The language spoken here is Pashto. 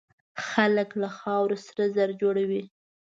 خلک له خاورو سره زر جوړوي.